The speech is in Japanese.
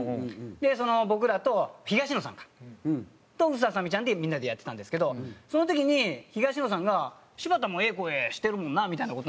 でその僕らと東野さんか。と臼田あさ美ちゃんでみんなでやってたんですけどその時に東野さんが柴田もええ声してるもんなみたいな事なんか言い出して。